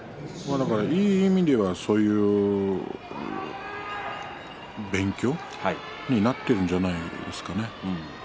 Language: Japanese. いい意味でいえばそういう勉強になっているんじゃないですかね。